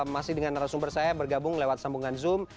masih dengan resumber saya bergabung lewat sambungan zoom